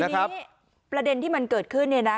ทีนี้ประเด็นที่มันเกิดขึ้นเนี่ยนะ